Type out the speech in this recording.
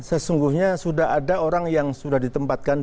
sesungguhnya sudah ada orang yang sudah ditempatkan